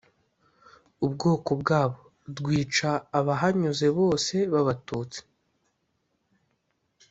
ubwoko bwabo, rwica abahanyuze bose b'abatutsi